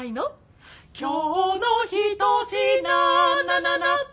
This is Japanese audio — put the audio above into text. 今日の一品ななな